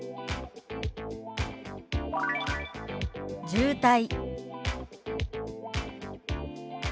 「渋滞」。